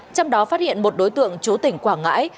trong đó phát hiện một đối tượng chú tỉnh quảng ngãi